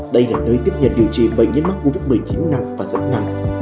đây là nơi tiếp nhận điều trị bệnh nhân mắc covid một mươi chín nặng và rất nặng